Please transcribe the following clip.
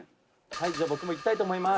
「はいじゃあ僕もいきたいと思います」